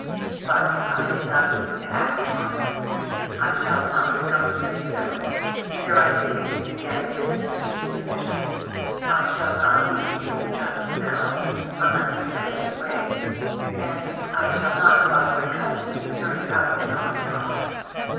"But I do not mean to act upon it. I shall not go to Plaistow. There are two reasons against it, each sufficient. I shall not leave you just yet, unless you send me away; and I shall not cause my cousin to be turned out of his own house."